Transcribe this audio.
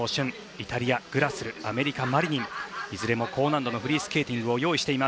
イタリアのグラスルアメリカ、マリニンいずれも高難度のフリースケーティングを用意。